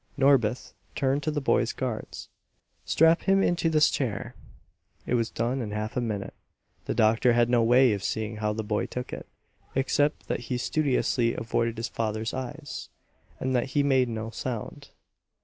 Norbith turned to the boy's guards. "Strap him into this chair!" It was done in half a minute. The doctor had no way of seeing how the boy took it, except that he studiously avoided his father's eyes, and that he made no sound.